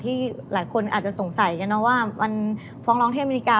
ที่หลายคนอาจจะสงสัยกันนะว่ามันฟ้องร้องที่อเมริกา